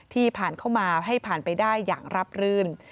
ผ่านเข้ามาให้ผ่านไปได้อย่างรับรื่น